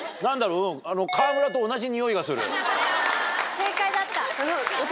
正解だった。